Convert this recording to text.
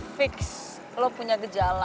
fix lo punya gejala